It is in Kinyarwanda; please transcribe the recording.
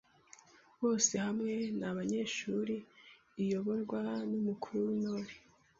bose hamwe n’abanyeshuri, iyoborwa n’umukuru w’Intore